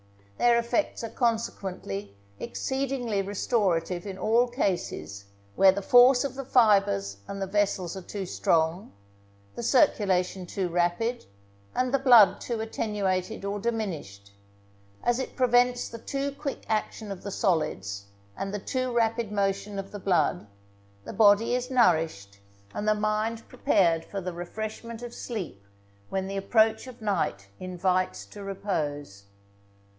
Their effects are consequently exceedingly restorative in all cases, where the force of the fibres and the vessels are too strong, the circulation too rapid, and the blood too attenuated or diminished; as it prevents the too quick action of the solids, and the too rapid motion of the blood, the body is nourished, and the mind prepared for the refreshment of sleep when the approach of night invites to repose.